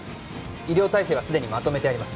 医療体制はすでにまとめてあります